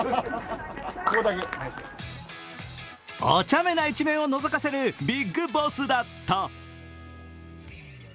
お茶目な一面をのぞかせるビッグボスだった。